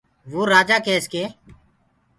وو رآجآ ڪيس ڪي